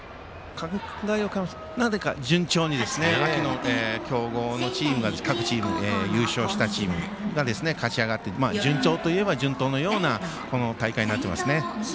順調に秋の強豪のチームが、各チーム優勝したチームが勝ち上がって順当といえば順当のようなゲームになってますね。